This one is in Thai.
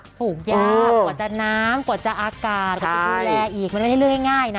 ปลูกยากกว่าจะน้ำกว่าจะอากาศกว่าจะคุณแรกอีกไม่ได้ให้เรื่องง่ายนะ